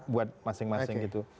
buat masing masing gitu